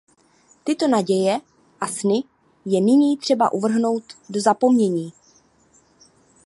Tyto naděje a sny je nyní třeba uvrhnout do zapomnění.